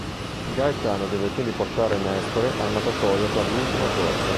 Gaetano deve quindi portare Nestore al mattatoio per "l'ultima corsa".